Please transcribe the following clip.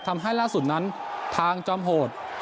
ทำให้ล่าสุดนั้นทางจอมโหด